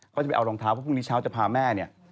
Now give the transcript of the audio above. เขาจะไปเอารองเท้าเพราะพรุ่งนี้เช้าจะพาแม่เนี่ย